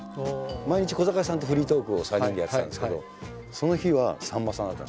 毎日小堺さんとフリートークを３人でやってたんですけどその日はさんまさんだったんですよ。